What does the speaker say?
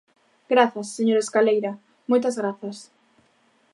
Grazas, señor Escaleira, moitas grazas.